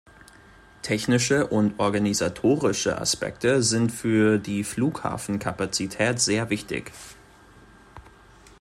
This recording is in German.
Technische und organisatorische Aspekte sind für die Flughafenkapazität sehr wichtig.